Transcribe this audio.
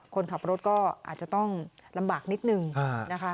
คนขับรถก็อาจจะต้องลำบากนิดนึงนะคะ